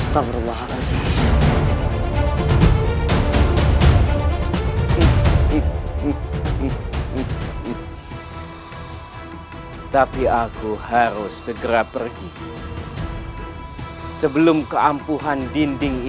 tayangnya tidak akan masuk ke sini